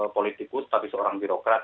politikus tapi seorang birokrat